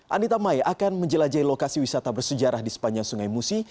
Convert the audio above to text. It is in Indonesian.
anita mai akan menjelajahi lokasi wisata bersejarah di sepanjang sungai musi